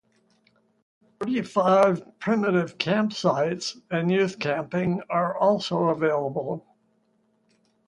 Thirty-five primitive campsites and youth camping are also available.